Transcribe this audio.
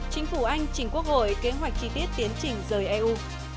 chính phủ anh trình quốc hội kế hoạch chi tiết tiến trình rời eu